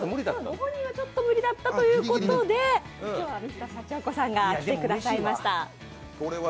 ご本人はちょっと無理だったということで今日はＭｒ．シャチホコさんが来てくださいました。